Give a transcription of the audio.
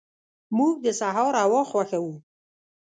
موږ د سهار هوا خوښو.